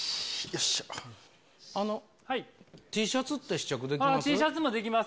Ｔシャツって試着できます？